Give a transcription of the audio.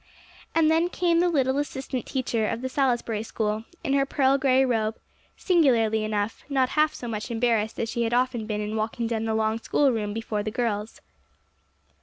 And then came the little assistant teacher of the Salisbury School, in her pearl gray robe; singularly enough, not half so much embarrassed as she had often been in walking down the long schoolroom before the girls.